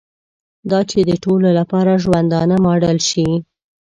دا چې د ټولو لپاره ژوندانه ماډل شي.